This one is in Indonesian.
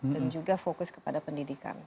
dan juga fokus kepada pendidikan